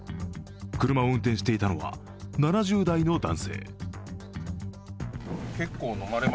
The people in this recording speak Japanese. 車を運転していたのは７０代の男性。